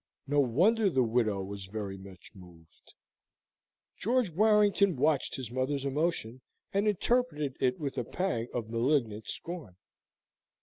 No wonder the widow was very much moved. George Warrington watched his mother's emotion, and interpreted it with a pang of malignant scorn.